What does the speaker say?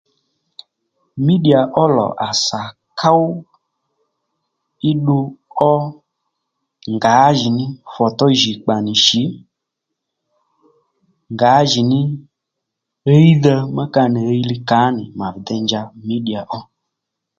Mídìyà ó lò à sà kow í ddu ó ngǎjìní fòtó jì kpà nì shǐ ngǎjìní híydha ma ka nì hiy li kà ó nì mà vi de njǎ mídìyà ó